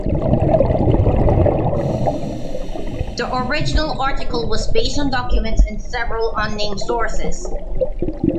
The original article was based on documents and several unnamed sources.